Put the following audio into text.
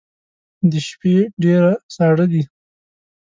د شپې ډیر ساړه دی